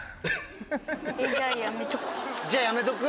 じゃあやめとく？